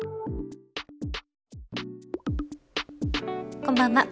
こんばんは。